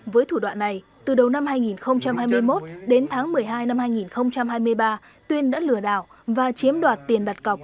với thủ đoạn này từ đầu năm hai nghìn hai mươi một đến tháng một mươi hai năm hai nghìn hai mươi ba tuyên đã lừa đảo và chiếm đoạt tiền đặt cọc